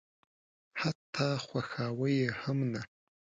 حتی خواښاوه یې هم نه.